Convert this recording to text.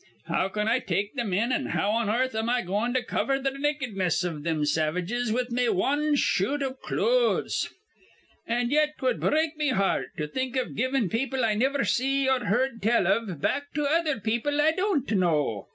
How can I take thim in, an' how on earth am I goin' to cover th' nakedness iv thim savages with me wan shoot iv clothes? An' yet 'twud break me heart to think iv givin' people I niver see or heerd tell iv back to other people I don't know.